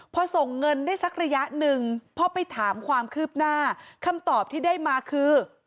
พอส่งเงินได้สักระยะหนึ่งพอไปถามความคืบหน้าคำตอบที่ได้มาคือ